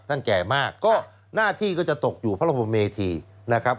แก่มากก็หน้าที่ก็จะตกอยู่พระบรมเมธีนะครับ